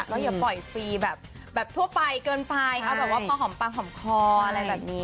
ก็อย่าปล่อยฟรีแบบทั่วไปเกินไปเอาแบบว่าพอหอมปากหอมคออะไรแบบนี้